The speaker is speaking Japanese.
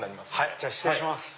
じゃあ失礼します。